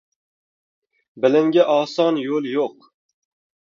• Bilimga oson yo‘l yo‘q.